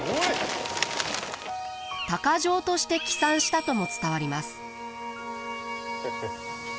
鷹匠として帰参したとも伝わります。